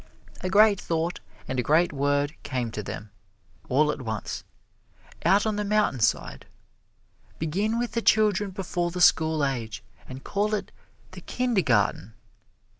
A great thought and a great word came to them, all at once out on the mountain side! Begin with the children before the school age, and call it the Kindergarten!